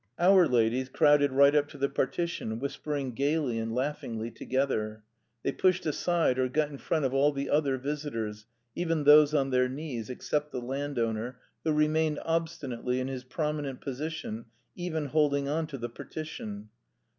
Our ladies crowded right up to the partition, whispering gaily and laughingly together. They pushed aside or got in front of all the other visitors, even those on their knees, except the landowner, who remained obstinately in his prominent position even holding on to the partition.